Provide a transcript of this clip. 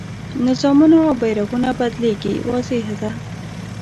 نظامونه او بیرغونه بدلېږي واضح ده.